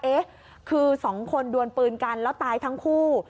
เอ๊ะคือสองคนดวนปืนกันแล้วตายทั้งคู่